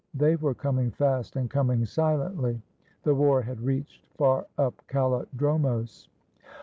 They were coming fast and coming silently. The war had reached far up KalUdromos.